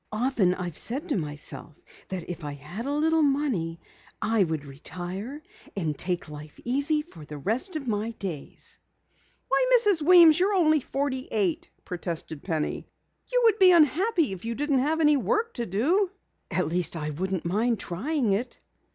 Often I've said to myself that if I had a little money I would retire and take life easy for the rest of my days." "Why, Mrs. Weems, you're only forty eight!" protested Penny. "You would be unhappy if you didn't have any work to do." "At least, I wouldn't mind trying it."